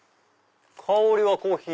香りはコーヒー！